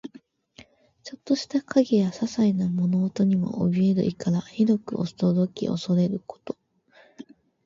ちょっとした影やささいな物音にもおびえる意から、ひどく驚き怖れること。